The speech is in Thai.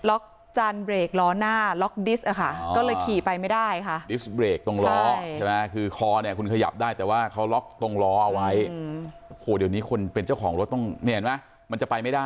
โอ้โหเดี๋ยวนี้คนเป็นเจ้าของรถต้องเนี้ยเห็นไหมมันจะไปไม่ได้